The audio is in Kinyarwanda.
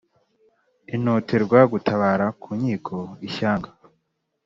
intoterwa gutabara ku nkiko ishyanga